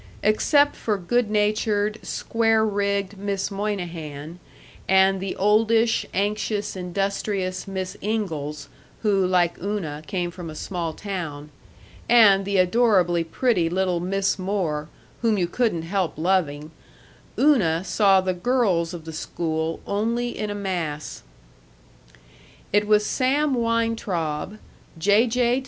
Except for good natured, square rigged Miss Moynihan, and the oldish, anxious, industrious Miss Ingalls, who, like Una, came from a small town, and the adorably pretty little Miss Moore, whom you couldn't help loving, Una saw the girls of the school only in a mass. It was Sam Weintraub, J. J.